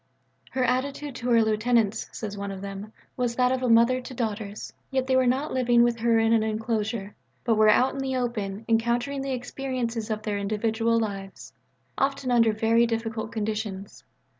"Her attitude to her lieutenants," says one of them, "was that of a mother to daughters. Yet they were not living with her in an enclosure, but were out in the open encountering the experiences of their individual lives, often under very difficult conditions.